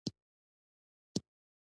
هغه د شپږو زرو اوغانانو سره حرکت وکړ.